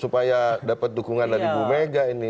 supaya tepuk tukungan dari bu mega ini